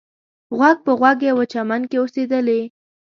غوږ په غوږ یوه چمن کې اوسېدلې.